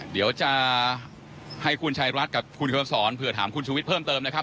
เดี๋ยวจะให้คุณชายรัฐกับคุณคำสอนเผื่อถามคุณชูวิทย์เพิ่มเติมนะครับ